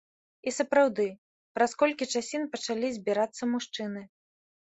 І сапраўды, праз колькі часін пачалі збірацца мужчыны.